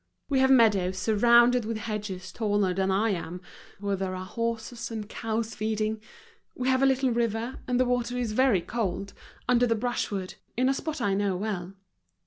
We have meadows surrounded with hedges taller than I am, where there are horses and cows feeding. We have a little river, and the water is very cold, under the brushwood, in a spot I know well."